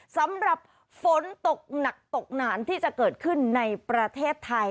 สำหรับฝนตกหนักตกหนานที่จะเกิดขึ้นในประเทศไทย